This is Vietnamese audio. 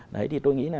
đấy thì tôi nghĩ là